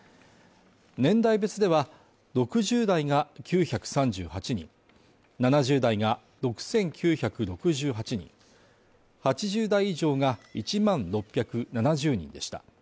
年代別では６０代が９３８人７０代が６９６８人８０代以上が１万６７０人でした。